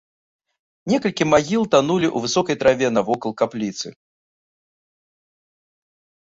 Некалькі магіл танулі ў высокай траве навокал капліцы.